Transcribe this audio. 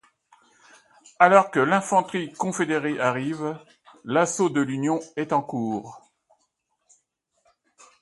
Alors que l'infanterie confédérée arrive, l'assaut de l'Union est en cours.